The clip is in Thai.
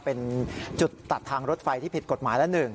เป็นจุดตัดทางรถไฟที่ผิดกฎหมายละ๑